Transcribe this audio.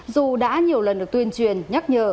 dù đã nhiều lần được tuyên truyền nhắc nhờ